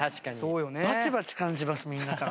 バチバチ感じますみんなから。